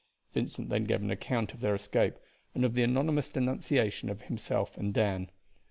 Vincent then gave an account of their escape, and of the anonymous denunciation of himself and Dan.